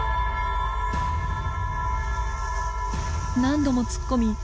何度も突っ込み